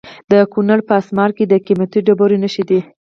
د کونړ په اسمار کې د قیمتي ډبرو نښې دي.